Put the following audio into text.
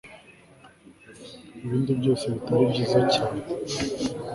Ibindi byose bitari byiza cyane